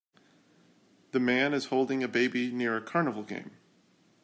The man is holding a baby near a carnival game.